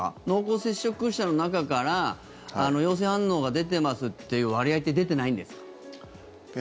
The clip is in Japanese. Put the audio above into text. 濃厚接触者の中から陽性反応が出てますって割合って出てないんですか？